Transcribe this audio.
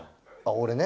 俺ね。